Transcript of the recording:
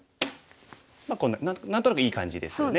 まあ何となくいい感じですよね。